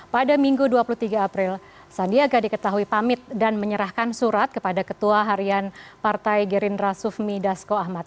pada minggu dua puluh tiga april sandiaga diketahui pamit dan menyerahkan surat kepada ketua harian partai gerindra sufmi dasko ahmad